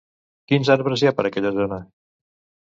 Quins arbres hi ha per aquella zona?